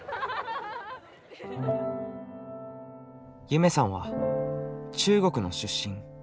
夢さんは中国の出身。